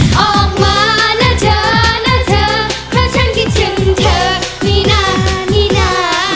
ออกมาละเธอนี่เธอเพราะฉันก็ชื่นเธอนี่น่ะนี่น่ะ